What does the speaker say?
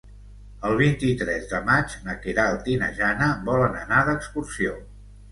El vint-i-tres de maig na Queralt i na Jana volen anar d'excursió.